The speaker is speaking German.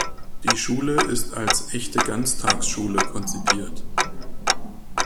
Die Schule ist als echte Ganztagsschule konzipiert.